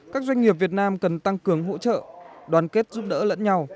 các doanh nghiệp việt nam cần tăng cường hỗ trợ đoàn kết giúp đỡ lẫn nhau